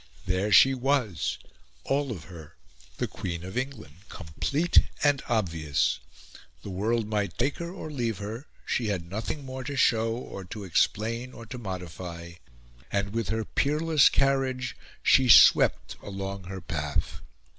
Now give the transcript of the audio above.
There she was, all of her the Queen of England, complete and obvious; the world might take her or leave her; she had nothing more to show, or to explain, or to modify; and, with her peerless carriage, she swept along her path.